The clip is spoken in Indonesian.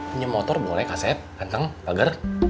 pinjem motor boleh kaset ganteng bager